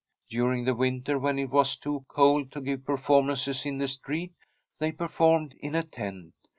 During the winter, when it was too cold to give performances in the street, they per formed in a tent.